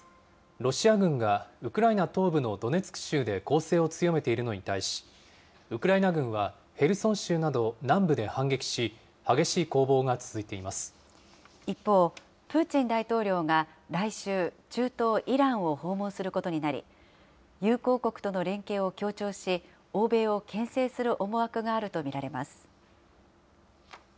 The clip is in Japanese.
ロシア軍が、ウクライナ東部のドネツク州で攻勢を強めているのに対し、ウクライナ軍はヘルソン州など南部で反撃し、一方、プーチン大統領が来週、中東イランを訪問することになり、友好国との連携を強調し、欧米をけん制する思惑があると見られます。